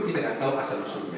kita tidak tahu asal usulnya